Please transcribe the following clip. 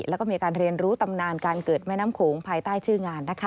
แล้วก็มีการเรียนรู้ตำนานการเกิดแม่น้ำโขงภายใต้ชื่องาน